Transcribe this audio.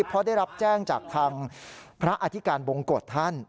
เพราะได้รับแจ้งจากทางพระอธิการบงกฎท่าน